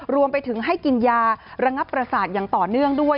รวมไปถึงให้กินยาระงับประสาทอย่างต่อเนื่องด้วย